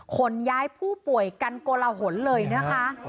คนย้ายผู้ป่วยกันกละหละหลเลยนะคะ